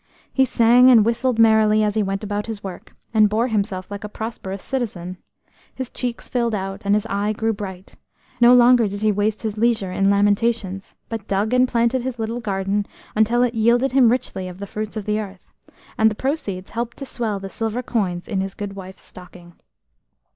He sang and whistled merrily as he went about his work, and bore himself like a prosperous citizen. His cheeks filled out, and his eye grew bright; no longer did he waste his leisure in lamentations, but dug and planted his little garden until it yielded him richly of the fruits of the earth, and the proceeds helped to swell the silver coins in his good wife's stocking.